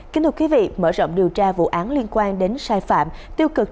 kính thưa quý vị mở rộng điều tra vụ án liên quan đến sai phạm tiêu cực